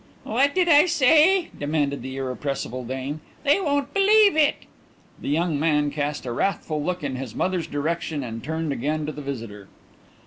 "What did I say?" demanded the irrepressible dame. "They won't believe it." The young man cast a wrathful look in his mother's direction and turned again to the visitor.